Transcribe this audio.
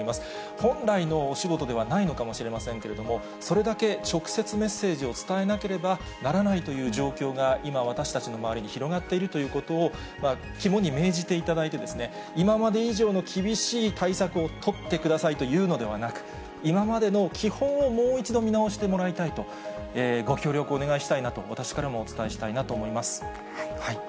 本来のお仕事ではないのかもしれませんけれども、それだけ直接、メッセージを伝えなければならないという状況が、今、私たちの周りに広がっているということを、肝に銘じていただいて、今まで以上の厳しい対策を取ってくださいというのではなく、今までの基本をもう一度見直してもらいたいと、ご協力をお願いしたいなと、私からもお伝えしたいなと思います。